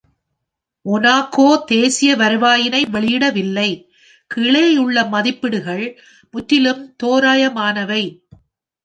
Monaco தேசிய வருவாயினை வெளியிடவில்லை; கீழே உள்ள மதிப்பீடுகள் முற்றிலும் தோரயமானவை.